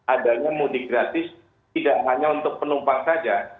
adanya mudik gratis tidak hanya untuk penumpang saja